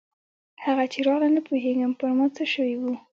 هغه چې راغله نه پوهېږم پر ما څه سوي وو.